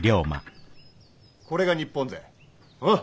これが日本ぜ。